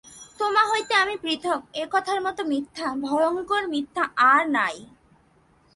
তোমা হইতে আমি পৃথক্, এ কথার মত মিথ্যা, ভয়ঙ্কর মিথ্যা আর নাই।